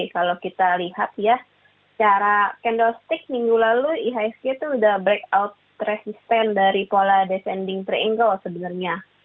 kalau kita lihat ya secara candlestick minggu lalu ihsg itu sudah breakout resistant dari pola descending triangle sebenarnya